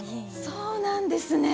そうなんですね。